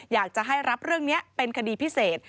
อยากจะให้รับเรื่องนี้เป็นคดีพิเศษ